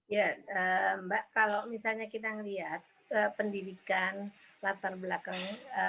ya mbak kalau misalnya kita melihat pendidikan latar belakangnya